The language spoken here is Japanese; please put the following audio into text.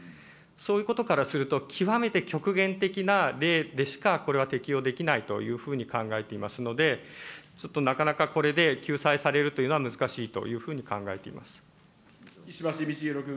そういうことからすると、極めて極限的な例でしか、これは適用できないというふうに考えていますので、ちょっとなかなかこれで救済されるというのは難しいというふうに石橋通宏君。